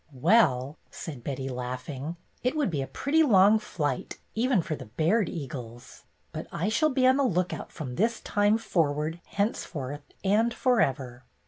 " "Well," said Betty, laughing, "it would be MANY A TRUE WORD 25 a pretty long flight, even for the Baird eagles. But I shall be on the lookout from this time forward, henceforth, and forever